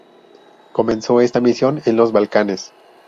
Comenzó esta misión en los Balcanes.